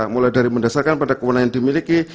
mulai dari mendasarkan pada kewenangan yang dimiliki